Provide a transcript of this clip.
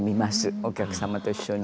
お客様と一緒に。